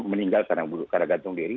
meninggal karena gantung diri